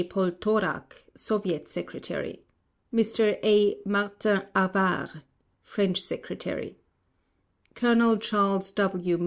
POLTORAK Soviet Secretary MR. A. MARTIN HAVARD French Secretary COLONEL CHARLES W.